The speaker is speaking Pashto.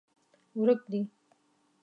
ورک دي